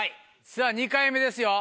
さぁ２回目ですよ。